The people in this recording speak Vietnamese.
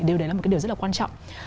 điều đấy là một cái điều rất là quan trọng